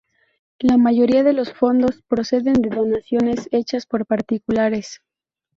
La mayoría de los fondos proceden de donaciones hechas por particulares.